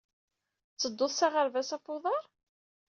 Tettedduḍ s aɣerbaz ɣef uḍar?